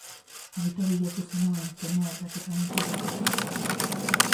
Nahita bilatu zenuen tonu aldaketa muturreko hori?